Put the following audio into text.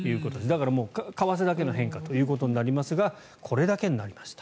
だから為替だけの変化ということになりますがこれだけになりました。